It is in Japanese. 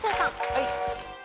はい。